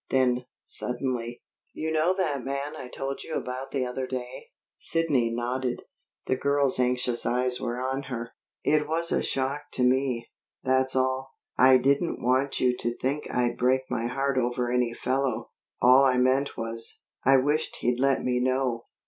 Then, suddenly: "You know that man I told you about the other day?" Sidney nodded. The girl's anxious eyes were on her. "It was a shock to me, that's all. I didn't want you to think I'd break my heart over any fellow. All I meant was, I wished he'd let me know."